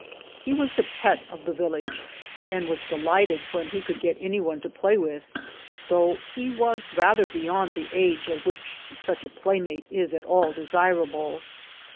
He was the pet of the village, and was delighted when he could get any one to play with, though he was rather beyond the age at which such a playmate is at all desirable.